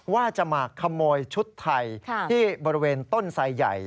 ว่าจะมาขโมยชุดไทยที่บริเวณต้นไซใหญ่